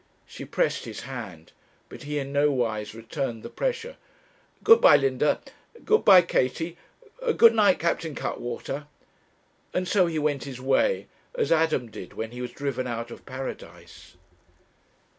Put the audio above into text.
She pressed his hand, but he in nowise returned the pressure. 'Good bye, Linda; good bye, Katie; good night, Captain Cuttwater.' And so he went his way, as Adam did when he was driven out of Paradise.